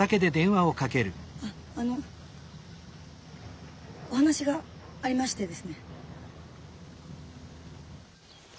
あっあのお話がありましてですね。